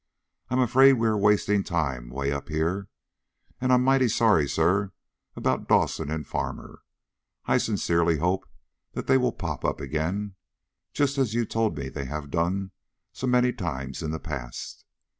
"I'm afraid we are wasting time way up here. And I'm mighty sorry, sir, about Dawson and Farmer. I sincerely hope that they will pop up again, just as you have told me they have done so many times in the past.